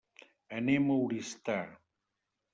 Anem a Oristà.